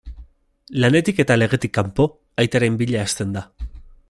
Lanetik eta legetik kanpo, aitaren bila hasten da.